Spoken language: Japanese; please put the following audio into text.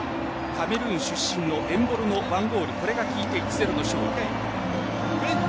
カメルーン出身のエンボロの１ゴールこれが効いて１対０の勝利。